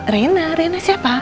rena rena siapa